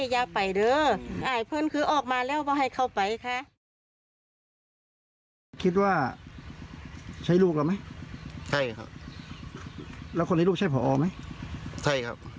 ใช้ลูกเราไหมใช่ครับแล้วคนให้ลูกใช้ผอไหมใช่ครับ